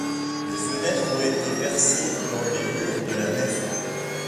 Des fenêtres ont été percées dans les murs de la nef.